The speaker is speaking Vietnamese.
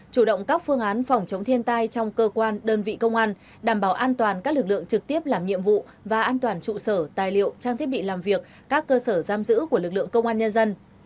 chủ động các phương án phòng chống thiên tai trong cơ quan đơn vị công an đảm bảo an toàn các lực lượng trực tiếp làm nhiệm vụ và an toàn trụ sở tài liệu trang thiết bị làm việc các cơ sở giam giữ của lực lượng công an nhân dân